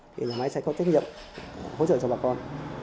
thì nhà máy sẽ có trách nhiệm hỗ trợ cho bà con